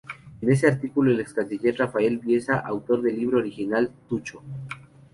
En ese artículo el ex canciller Rafael Bielsa, autor del libro original "Tucho.